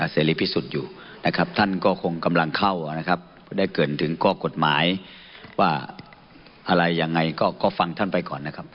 เสรีพิสุทธิ์อยู่นะครับท่านก็คงกำลังเข้านะครับได้เกินถึงข้อกฎหมายว่าอะไรยังไงก็ฟังท่านไปก่อนนะครับ